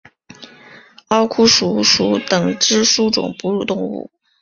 奥库鼠属等之数种哺乳动物。